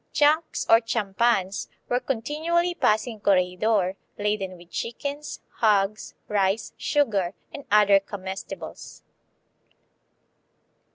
Junks, or "champans," were continually passing Corregidor, laden with chickens, hogs, rice, sugar, and other comestibles.